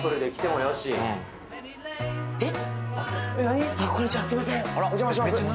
お邪魔します